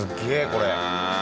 これ。